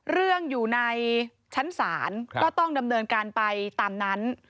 อยู่ในชั้นศาลก็ต้องดำเนินการไปตามนั้น